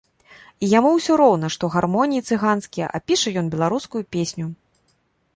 І яму ўсё роўна, што гармоніі цыганскія, а піша ён беларускую песню.